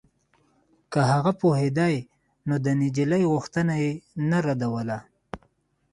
که هغه پوهېدای نو د نجلۍ غوښتنه يې نه ردوله.